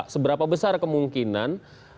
seberapa besar kemungkinan